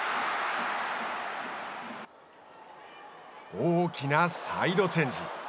大きなサイドチェンジ。